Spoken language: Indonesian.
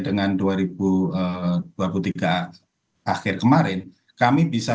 dengan dua ribu dua puluh tiga akhir kemarin kami bisa